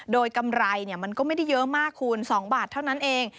โดยกำไรมันก็ไม่ได้เยอะมากคุณ๒บาทเท่านั้นเอง